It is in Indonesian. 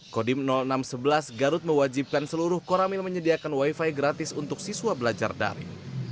kodim enam ratus sebelas garut mewajibkan seluruh koramil menyediakan wifi gratis untuk siswa belajar dari